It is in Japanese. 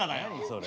それ。